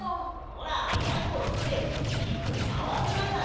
ほらやころっていつもあわてないだろ？